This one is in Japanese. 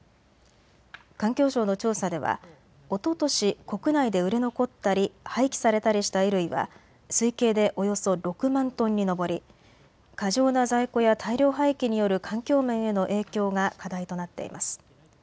環境省の調査ではおととし国内で売れ残ったり廃棄されたりした衣類は推計でおよそ６万トンに上り、過剰な在庫や大量廃棄による環境面への影響が課題となっています。